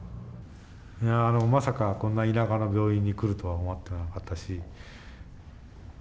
まさかこんな田舎の病院に来るとは思ってなかったですし。